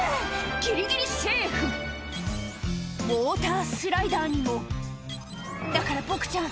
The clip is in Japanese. ギリギリセーフウオータースライダーにもだからボクちゃん